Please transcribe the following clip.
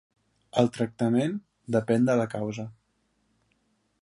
El tractament depèn de la causa.